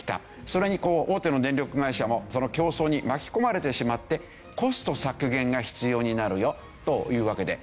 それに大手の電力会社もその競争に巻き込まれてしまってコスト削減が必要になるよというわけで。